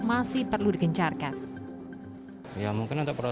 masih perlu dikencarkan